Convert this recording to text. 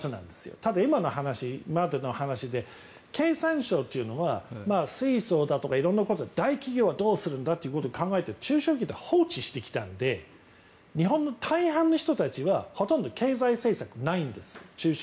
ただ、今までの話で経産省というのは大企業はどうするんだということを考えて中小企業は放置してきたので日本の大半の人たちはほとんど経済政策がないんです。